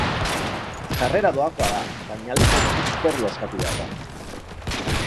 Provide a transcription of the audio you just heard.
Sarrera doakoa da, baina aldez aurretik hitzordua eskatu behar da.